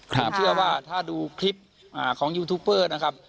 ผมเชื่อว่าถ้าดูคลิปของยูทูปเปอร์นะครับ